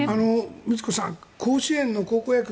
水越さん甲子園の高校野球